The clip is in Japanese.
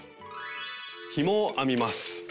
「ひもを編みます」。